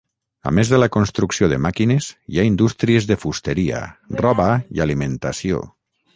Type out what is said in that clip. A més de la construcció de màquines, hi ha indústries de fusteria, roba i alimentació.